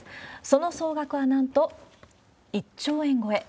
その総額はなんと１兆円超え。